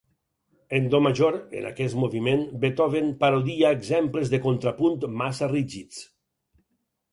En do major, en aquest moviment Beethoven parodia exemples de contrapunt massa rígids.